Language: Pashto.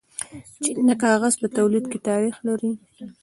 چین د کاغذ په تولید کې تاریخ لري.